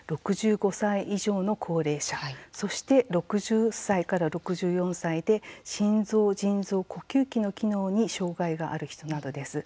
６５歳以上の高齢者そして、６０歳から６４歳で心臓、腎臓、呼吸器の機能に障害がある人などです。